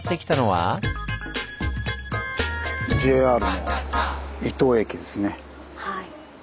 はい。